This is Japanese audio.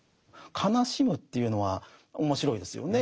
悲しむというのは面白いですよね。